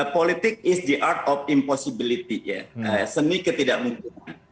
politik is the art of impossibility ya seni ketidakmungkinan